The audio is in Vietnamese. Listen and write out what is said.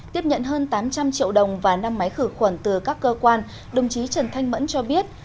tiếp nhận hơn tám trăm linh triệu đồng và năm máy khử khuẩn từ các cơ quan đồng chí trần thanh mẫn cho biết